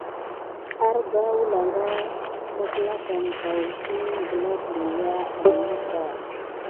Arga wəlanga mekklakan ka kəssengen gla berya an moka.